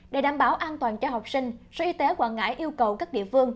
để đảm bảo an toàn cho học sinh sở y tế quảng ngãi yêu cầu các địa phương